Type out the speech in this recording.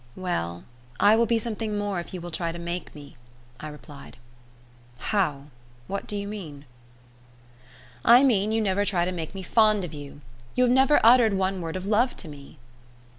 "Well, I will be something more if you will try to make me," I replied. "How? What do you mean?" "I mean you never try to make me fond of you. You have never uttered one word of love to me."